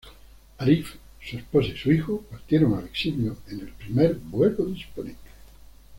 Arif, su esposa y su hijo partieron al exilio en el primer vuelo disponible.